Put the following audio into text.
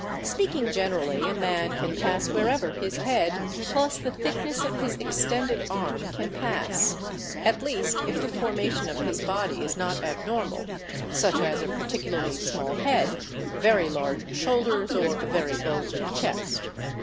' Speaking generally, a man can pass wherever his head plus the thick Mess of his extended arm can pass, Fig. 131, at least if the formation 'Of his body is not abnormal, such as a particularly small head, very irge shoulders, or a very bulging chest.